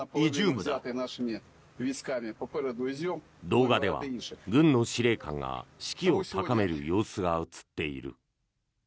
動画では軍の司令官が士気を高める様子が映っている。